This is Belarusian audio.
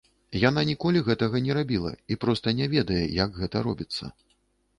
Яна ніколі гэтага не рабіла і проста не ведае, як гэта робіцца.